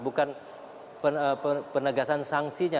bukan penegasan sangsinya